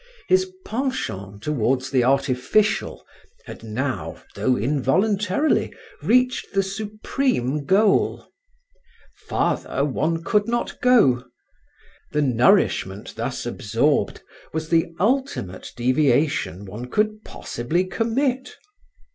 His penchant towards the artificial had now, though involuntarily, reached the supreme goal. Farther one could not go. The nourishment thus absorbed was the ultimate deviation one could possibly commit.